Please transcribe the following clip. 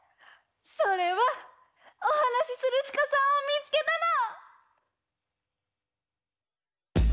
それはおはなしするしかさんをみつけたの！